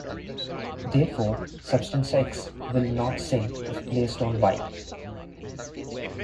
Therefore, substance X will not sink if placed on Y.